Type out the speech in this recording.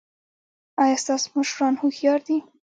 ایا ستاسو مشران هوښیار دي؟